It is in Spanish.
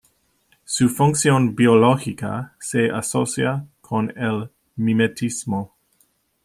Su función biológica se asocia con el mimetismo.